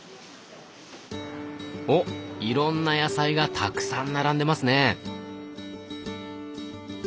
おっいろんな野菜がたくさん並んでますね。